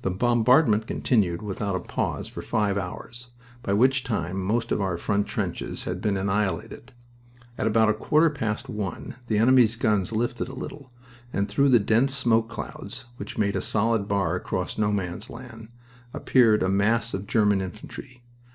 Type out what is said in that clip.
The bombardment continued without a pause for five hours, by which time most of our front trenches had been annihilated. At about a quarter past one the enemy's guns lifted a little, and through the dense smoke clouds which made a solid bar across No Man's Land appeared a mass of German infantry.